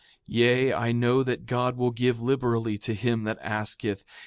4:35 Yea, I know that God will give liberally to him that asketh.